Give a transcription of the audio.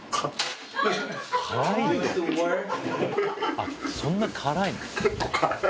あっそんな辛いの？